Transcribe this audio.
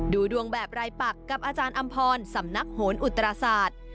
ดูดวงแบบรายปักกับอาจารย์อำพรสำนักโหนอุตราศาสตร์